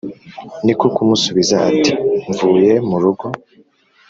ni ko kumusubiza, ati mvuye murugo